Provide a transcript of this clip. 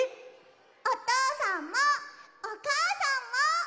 おとうさんもおかあさんも。